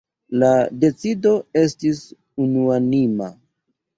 La decido estis unuanima.